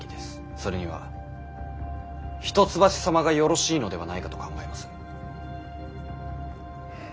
それには一橋様がよろしいのではないかと考えます。